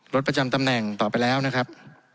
ประจำตำแหน่งต่อไปแล้วนะครับ